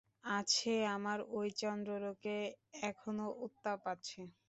আছে, আমার ঐ চন্দ্রলোকে এখনো উত্তাপ আছে!